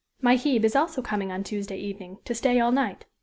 My Hebe is also coming on Tuesday evening, to stay all night.